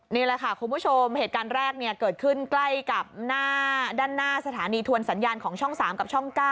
นี่แหละค่ะคุณผู้ชมเหตุการณ์แรกเกิดขึ้นใกล้กับหน้าด้านหน้าสถานีทวนสัญญาณของช่อง๓กับช่อง๙